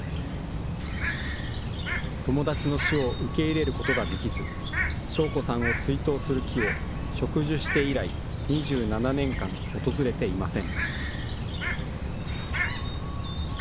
友達の死を受け入れることができず、祥子さんを追悼する木を植樹して以来、２７年間、訪れていません。